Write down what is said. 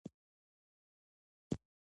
زما د مينې نه توبه ده بيا به نۀ کوم مينه